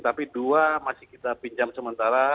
tapi dua masih kita pinjam sementara